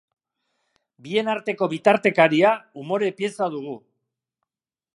Bien arteko bitartekaria umore-pieza dugu.